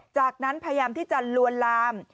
จากนั้นพยายามที่จะลวนลาม